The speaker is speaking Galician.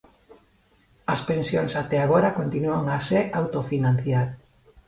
As pensións até agora continúan a se autofinanciar.